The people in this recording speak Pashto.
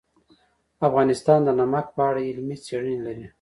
افغانستان د نمک په اړه علمي څېړنې لري.